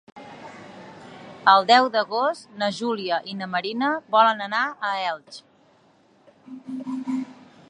El deu d'agost na Júlia i na Maria volen anar a Elx.